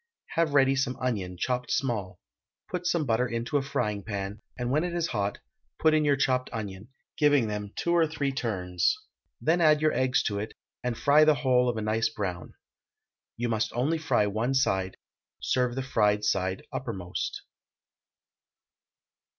Have ready some onion, chopped small; put some butter into a fryingpan, and when it is hot, put in your chopped onion, giving them two or three turns; then add your eggs to it, and fry the whole of a nice brown. You must only fry one side; serve the fried side uppermost.